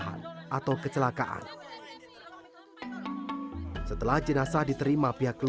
menang api elders jelas sekarang bisa disukai